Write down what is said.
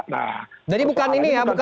jadi bukan ini ya